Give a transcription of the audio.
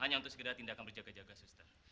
hanya untuk segera tindakan berjaga jaga suster